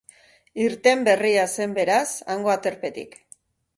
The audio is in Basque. Irten berria zen beraz hango aterpetik.